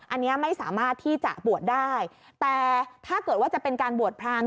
อันนี้ไม่สามารถที่จะบวชได้แต่ถ้าเกิดว่าจะเป็นการบวชพราน